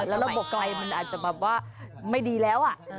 แล้วระบบไกลมันอาจจะแบบว่าไม่ดีแล้ว